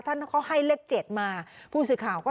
ท่านบุคคลาสมัครท่านบุคคลาสมัคร